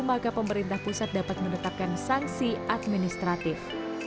maka pemerintah pusat dapat menetapkan sanksi administratif